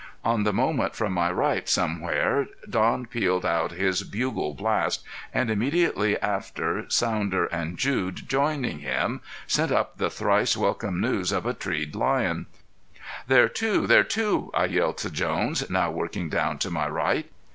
On the moment from my right somewhere Don pealed out his bugle blast, and immediately after Sounder and Jude joining him, sent up the thrice welcome news of a treed lion. "There 're two! There 're two!" I yelled to Jones, now working down to my right.